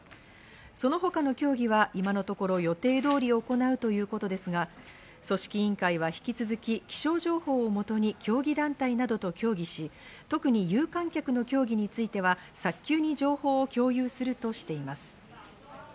その他の競技は今のところ予定通り行うということですが、組織委員会は引き続き気象情報をもとに競技団体などと協議し、特に有観客の競技については早急に情報を共有するとしています。